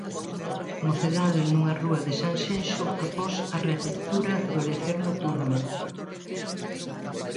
Mocidade nunha rúa de Sanxenxo após a reapertura do lecer nocturno.